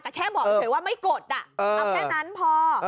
แต่แค่บอกเฉยว่าไม่กดอ่ะเออเอาแค่นั้นพอเออ